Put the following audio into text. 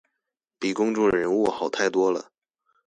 比公眾人物好太多了